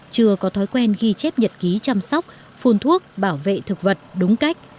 chưa có thói quen ghi chép nhật ký chăm sóc phun thuốc bảo vệ thực vật đúng cách